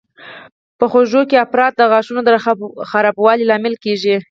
په خوږو کې افراط د غاښونو د خرابوالي لامل کېږي.